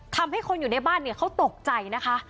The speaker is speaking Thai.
ทำให้คนอยู่ในบ้านเนี่ยเขาตกใจนะคะ